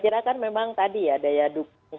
kira kan memang tadi ya daya dukung